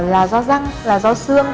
là do răng là do xương